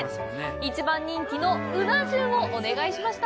一番人気のうな重をお願いしました。